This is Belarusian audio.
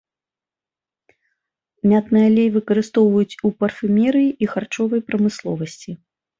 Мятны алей выкарыстоўваюць у парфумерыі і харчовай прамысловасці.